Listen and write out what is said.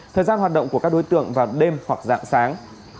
thời gian hoạt động của các đối tượng vào đêm hoặc dạng sáng